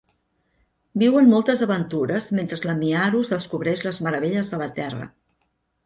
Viuen moltes aventures mentre la Miharu descobreix les meravelles de la Terra.